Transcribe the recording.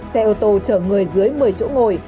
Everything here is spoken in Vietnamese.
xe ô tô chở người dưới một mươi chỗ ngồi